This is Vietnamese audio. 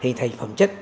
và hình thành phẩm chất